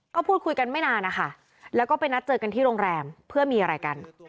ก็พูดคุยกันไม่นานนะคะแล้วก็ไปนัดเจอกันที่โรงแรมเพื่อมีอะไรกัน